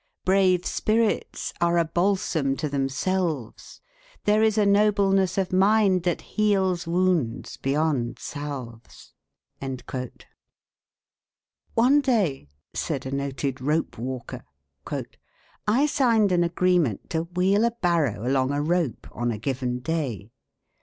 "Brave spirits are a balsam to themselves: There is a nobleness of mind that heals Wounds beyond salves." "One day," said a noted rope walker, "I signed an agreement to wheel a barrow along a rope on a given day.